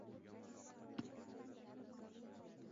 Ko’zlaringiz o’tkir ekan dedi.